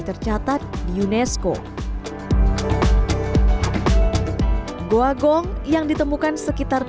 keteluruan agar dapat membawakan jenis karena acara yang tidak bersaks seminari